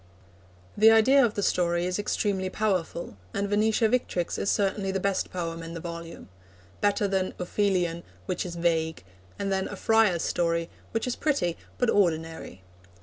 The idea of the story is extremely powerful, and Venetia Victrix is certainly the best poem in the volume better than Ophelion, which is vague, and than A Friar's Story, which is pretty but ordinary.